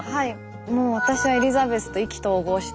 もう私はエリザベスと意気投合して。